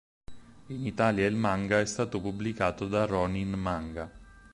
In Italia il manga è stato pubblicato da Ronin Manga.